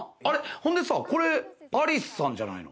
ほんでさ、これアリスさんじゃないの？